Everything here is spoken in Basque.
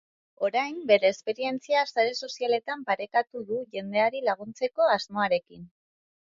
Orain, bere esperientzia sare sozialetan partekatu du jendeari laguntzeko asmoarekin.